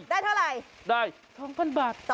ได้เท่าไหร่๒๐๐๐บาท